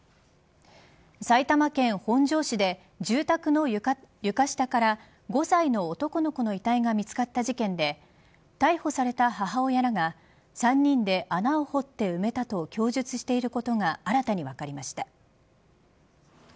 埼玉県本庄市で住宅の床下から５歳の男の子の遺体が見つかった事件で逮捕された母親らが３人で穴を掘って埋めたと供述していることが新たに分かりました。